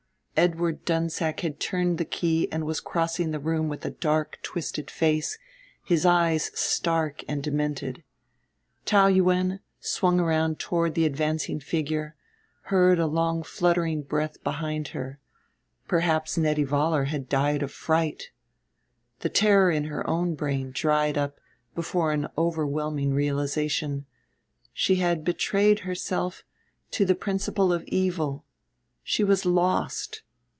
Edward Dunsack had turned the key and was crossing the room with a dark twisted face, his eyes stark and demented. Taou Yuen, swung round toward the advancing figure, heard a long fluttering breath behind her. Perhaps Nettie Vollar had died of fright. The terror in her own brain dried up before an overwhelming realization she had betrayed herself to the principle of evil. She was lost.